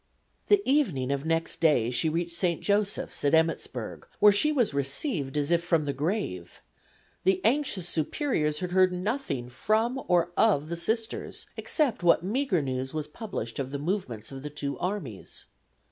The evening of next day she reached St. Joseph's, at Emmitsburg, where she was received as if from the grave. The anxious Superiors had heard nothing from or of the Sisters except what meagre news was published of the movements of the two armies.